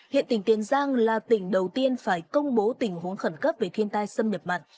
hiện tỉnh tiến giang là tỉnh đầu tiên phải công bố tình huống khẩn cấp về thiên tai sân biệt mặn